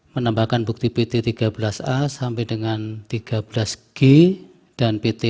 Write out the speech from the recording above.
menambahkan bukti pt tiga belas a sampai dengan tiga belas g dan pt